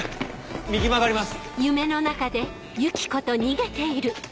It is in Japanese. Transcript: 右曲がります。